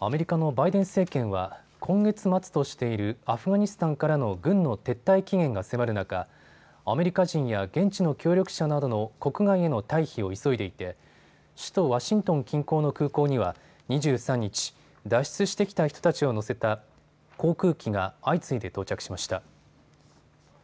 アメリカのバイデン政権は今月末としているアフガニスタンからの軍の撤退期限が迫る中アメリカ人や現地の協力者などの国外への退避を急いでいて首都ワシントン近郊の空港には２３日脱出してきた人たちを乗せた航空機が相次いで到着しました。